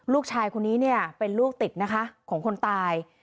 ลูกชายคนนี้เนี่ยเป็นลูกติดนะคะของคนตาย